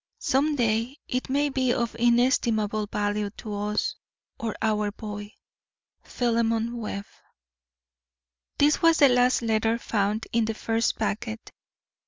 Some day it may be of inestimable value to us or our boy. PHILEMON WEBB. This was the last letter found in the first packet.